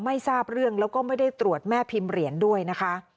ไม่ทราบเรื่องแล้วก็ไม่ได้ตรวจแม่พิมพ์เหรียญด้วยนะคะ